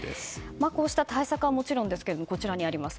こうした対策はもちろんですがこちらにあります